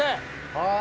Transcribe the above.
はい！